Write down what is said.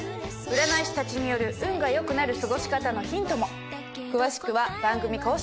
占い師たちによる運が良くなる過ごし方のヒントも。